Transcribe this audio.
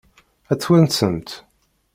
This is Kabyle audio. Ad t-twansemt?